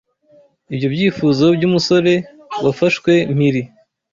Ibyo byifuzo byumusore wafashwe mpiri